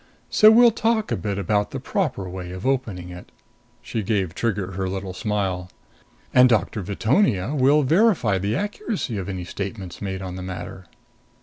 So we'll talk a bit about the proper way of opening it." She gave Trigger her little smile. "And Doctor Veetonia will verify the accuracy of any statements made on the matter."